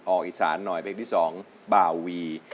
อีสานหน่อยเพลงที่๒บาวี